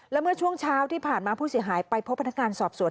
และเมื่อช่วงเช้าที่ผ่านมาผู้เสียหายไปพบพนักงานสอบสวน